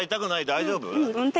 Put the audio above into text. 大丈夫？